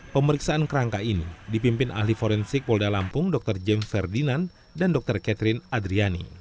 pemeriksaan kerangka ini dipimpin ahli forensik polda lampung dr james ferdinand dan dr catherine adriani